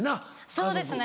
そうですね。